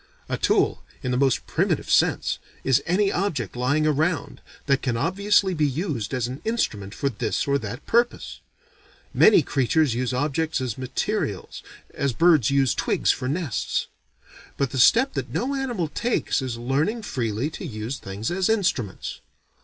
A tool, in the most primitive sense, is any object, lying around, that can obviously be used as an instrument for this or that purpose. Many creatures use objects as materials, as birds use twigs for nests. But the step that no animal takes is learning freely to use things as instruments.